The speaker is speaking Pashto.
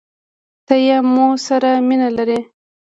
ته يې مو سره مينه لرې؟